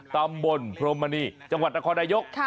ตำบลพรมมณีจังหวัดนครนายก